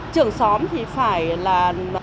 trưởng xóm thì phải là bí thư chi bộ